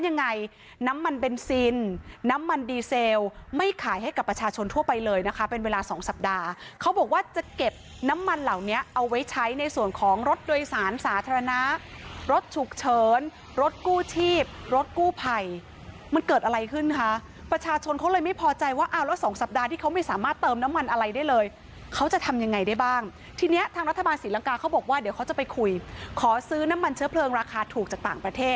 น้ำมันเบนซินน้ำมันดีเซลไม่ขายให้กับประชาชนทั่วไปเลยนะคะเป็นเวลาสองสัปดาห์เขาบอกว่าจะเก็บน้ำมันเหล่านี้เอาไว้ใช้ในส่วนของรถโดยสารสาธารณะรถฉุกเฉินรถกู้ชีพรถกู้ไผ่มันเกิดอะไรขึ้นคะประชาชนเขาเลยไม่พอใจว่าอ้าวแล้วสองสัปดาห์ที่เขาไม่สามารถเติมน้ำมันอะไรได้เลยเขาจะทำยังไงได้บ้าง